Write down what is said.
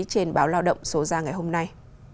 trên báo lao động số ra ngày hôm nay